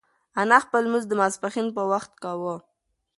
انا خپل لمونځ د ماسپښین په وخت کاوه.